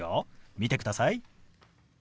見てください。